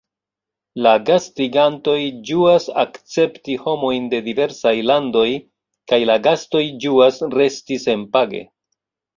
La gastigantoj ĝuas akcepti homojn de diversaj landoj, kaj la gastoj ĝuas resti senpage.